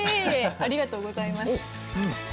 ありがとうございます。